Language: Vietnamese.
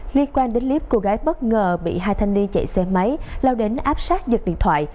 liên quan đến clip cô gái bất ngờ bị hai thanh niên chạy xe máy lao đến áp sát giật điện thoại